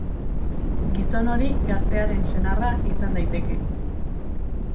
Gizon hori gaztearen senarra izan daiteke.